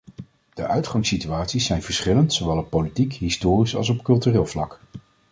De uitgangssituaties zijn verschillend, zowel op politiek, historisch als op cultureel vlak.